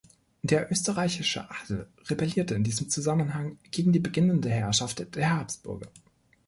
Der österreichische Adel rebellierte in diesem Zusammenhang gegen die beginnende Herrschaft der Habsburger.